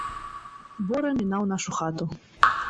Бора мінаў нашу хату.